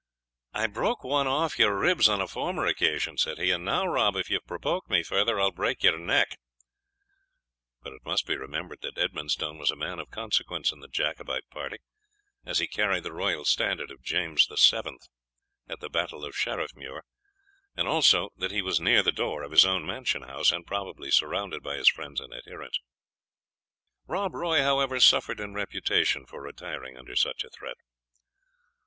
"I broke one off your ribs on a former occasion," said he, "and now, Rob, if you provoke me farther, I will break your neck." But it must be remembered that Edmondstone was a man of consequence in the Jacobite party, as he carried the royal standard of James VII. at the battle of Sheriffmuir, and also, that he was near the door of his own mansion house, and probably surrounded by his friends and adherents. Rob Roy, however, suffered in reputation for retiring under such a threat.